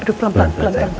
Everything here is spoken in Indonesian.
aduh pelan pelan